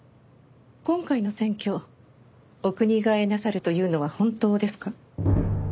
今回の選挙お国替えなさるというのは本当ですか？